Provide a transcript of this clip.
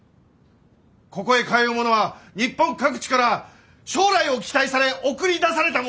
ここへ通う者は日本各地から将来を期待され送り出された者ばかり！